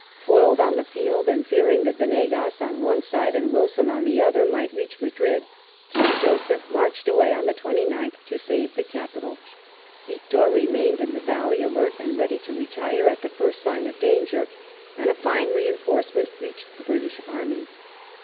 Foiled on the field, and fearing that Yenegas on one side and Wilson on the other might reach Madrid, King Joseph marched away on the 29th to save the capital. Victor remained in the valley alert, and ready to retire at the first sign of danger, and a fine reinforcement reached the British army.